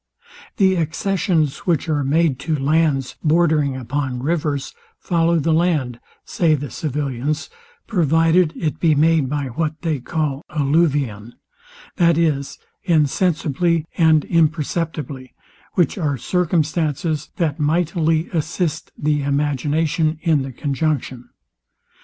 The accessions, which are made to lands bordering upon rivers, follow the land, say the civilians, provided it be made by what they call alluvion, that is, Insensibly and Imperceptibly; which are circumstances that mightily assist the imagination in the conjunction.